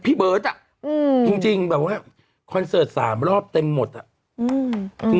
พี่เบิร์ตอ่ะจริงแบบว่าคอนเสิร์ต๓รอบเต็มหมดอ่ะ